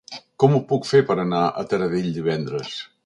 Com ho puc fer per anar a Taradell divendres?